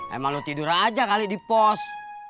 emang lo tidur aja kali di pos